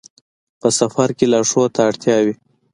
په سفر کې لارښود ته اړتیا وي.